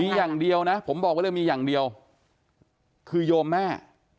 มีอย่างเดียวนะผมบอกว่าเลยมีอย่างเดียวคือโยมแม่